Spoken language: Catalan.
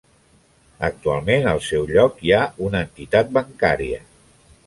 Actualment, al seu lloc hi ha una entitat bancària.